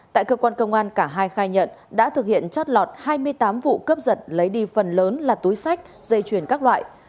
tại cơ quan công an cả hai khai nhận đã thực hiện chót lọt hai mươi tám vụ cướp giật lấy đi phần lớn là túi sách dây chuyền các loại